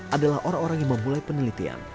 adalah orang orang yang memulai penelitian